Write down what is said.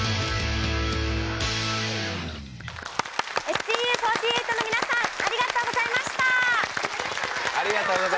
ＳＴＵ４８ の皆さんありがとうございました！